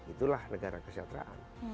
itulah negara kesejahteraan